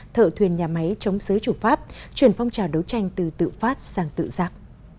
thợ thuyền nhà máy chống xứ chủ pháp chuyển phong trào đấu tranh từ tự phát sang tự giác